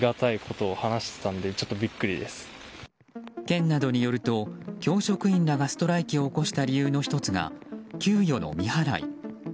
県などによると教職員らがストライキを起こした理由の１つが、給与の未払い。